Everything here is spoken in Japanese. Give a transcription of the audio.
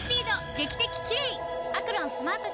劇的キレイ！